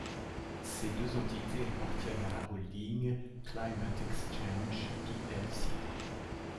Ces deux entités appartiennent à la holding Climate Exchange Plc.